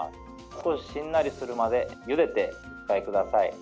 少ししんなりするまでゆでてお使いください。